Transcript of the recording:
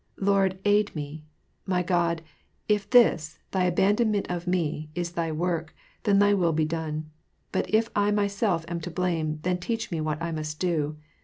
Lord, aid me! My God, if this. Thy abandonment of me, is Thy work, then Thy will be done. But if I myself am to blame, then teach me what I most do.